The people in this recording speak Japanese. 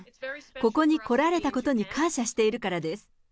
ここに来られたことに感謝しているからです。